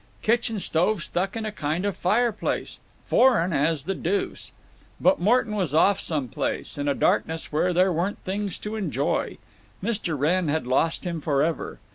Kitchen stove stuck in a kind of fireplace. Foreign as the deuce." But Morton was off some place, in a darkness where there weren't things to enjoy. Mr. Wrenn had lost him forever.